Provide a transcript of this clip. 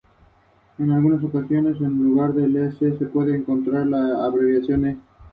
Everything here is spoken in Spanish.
No se desmintieron dichos rumores en ningún momento.